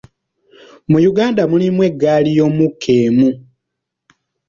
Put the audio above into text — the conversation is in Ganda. Mu Uganda mulimu eggaali y’omukka emu.